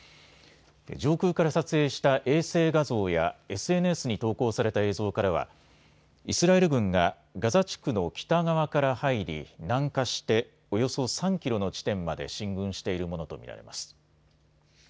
上空から撮影した衛星画像やＳＮＳに投稿された映像からはイスラエル軍がガザ地区の北側から入り南下しておよそ３キロの地点まで進軍しているものと見られます。